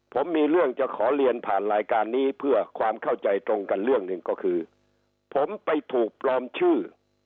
ผมมีเรื่องจะขอเรียนผ่านรายการนี้เพื่อความเข้าใจตรงกันเรื่องหนึ่งก็คือผมไปถูกปลอมชื่อ